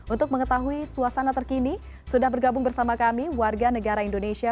untuk mengetahui suasana terkini sudah bergabung bersama kami warga negara indonesia